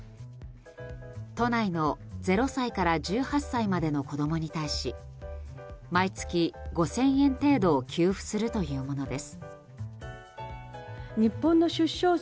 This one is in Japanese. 都内の０歳から１８歳までの子供に対し毎月５０００円程度を給付するというものです。